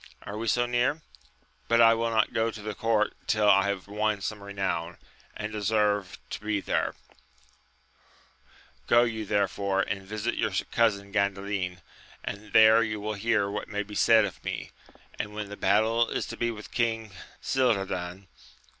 — ^Are we so near ? but I will not go to the court till I have won some renown, and deserve to be there : go you therefore and visit your cousin Gandalin, and there you will hear what may be said of me, and when the battle is to be with King Cildadan.